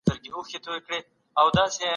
پنبه د ځايي کارګرانو لخوا پاکه سوه.